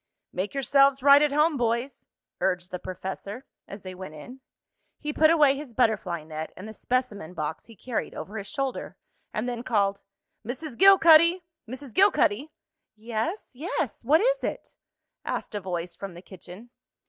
"Make yourselves right at home, boys," urged the professor, as they went in. He put away his butterfly net and the specimen box he carried over his shoulder, and then called: "Mrs. Gilcuddy! Mrs. Gilcuddy!" "Yes, yes! What is it?" asked a voice from the kitchen.